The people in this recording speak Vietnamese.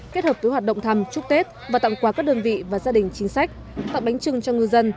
kết hợp với hoạt động thăm chúc tết và tặng quà các đơn vị và gia đình chính sách tặng bánh trưng cho ngư dân